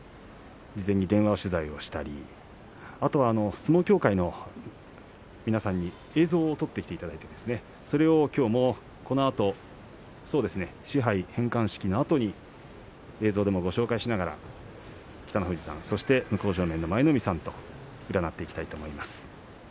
事前に電話取材をしたりあとは相撲協会の皆さんに映像を撮ってきていただいたりそれをきょうもこのあと賜盃返還式のあとに映像でもご紹介しながら北の富士さん、そして向正面の舞の海さんと占っていきたいと思います。